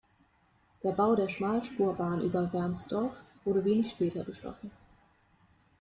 Der Bau der Schmalspurbahn über Wermsdorf wurde wenig später beschlossen.